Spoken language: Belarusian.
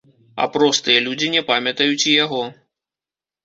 А простыя людзі не памятаюць і яго.